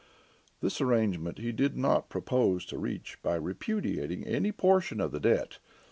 This arrangement he did not propose to reach by repudiating any portion of the debt.